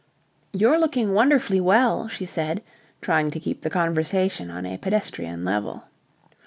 "You're looking wonderfully well," she said trying to keep the conversation on a pedestrian level.